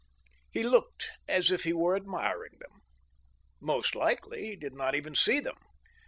He looked as if he were admiring them. Most likely he did not even see them.